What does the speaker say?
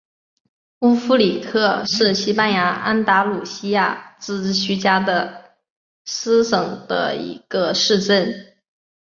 乌夫里克是西班牙安达卢西亚自治区加的斯省的一个市镇。